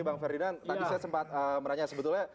bang ferdinand tadi saya sempat menanya sebetulnya